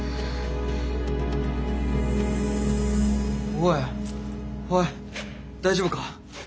おいおい大丈夫か。